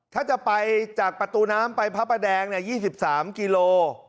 ถ้าจะไปจากประตูน้ำไปพระประแดงเนี่ยยี่สิบสามกิโล